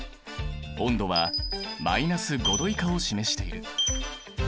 温度は−５℃以下を示している。